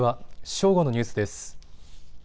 正午のニュースです。